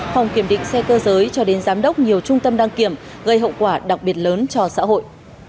phòng kiểm định xe cơ giới cho đến giám đốc nhiều trung tâm đăng kiểm gây hậu quả đặc biệt lớn cho xã hội